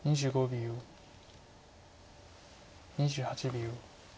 ２８秒。